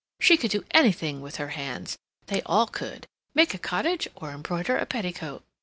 She could do anything with her hands—they all could—make a cottage or embroider a petticoat.